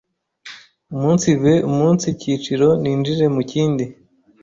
umunsive umunsi kiciro ninjire mu kindi.